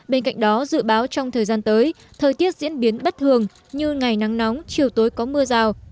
bên cạnh đó dự báo trong thời gian tới thời tiết diễn biến bất thường như ngày nắng nóng chiều tối có mưa rào